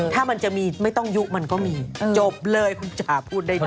ถ้ามันจะมีไม่ต้องยุมันก็มีจบเลยคุณจ๋าพูดได้ดี